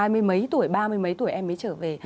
mấy tuổi ba mươi mấy tuổi em ấy trở về